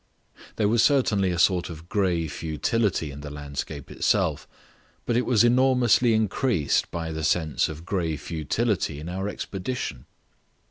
There was certainly a sort of grey futility in the landscape itself. But it was enormously increased by the sense of grey futility in our expedition.